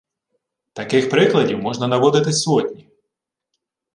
Таких прикладів можна наводити сотні